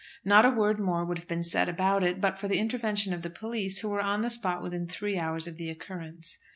Not a word more would have been said about it, but for the intervention of the police, who were on the spot within three hours of the occurrence.